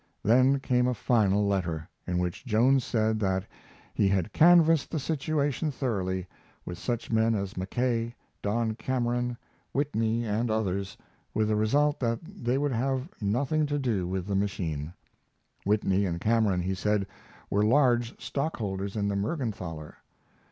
Then came a final letter, in which Jones said that he had canvassed the situation thoroughly with such men as Mackay, Don Cameron, Whitney, and others, with the result that they would have nothing to do with the machine. Whitney and Cameron, he said, were large stockholders in the Mergenthaler.